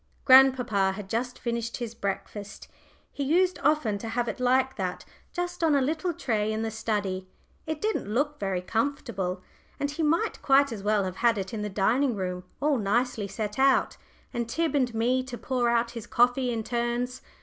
Grandpapa had just finished his breakfast. He used often to have it like that, just on a little tray in the study. It didn't look very comfortable, and he might quite as well have had it in the dining room all nicely set out, and Tib and me to pour out his coffee in turns.